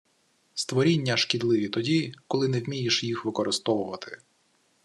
Створіння шкідливі тоді, коли не вмієш їх використовувати.